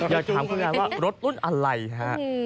อยากถามคุณยายว่ารถลุ้นอะไรครับ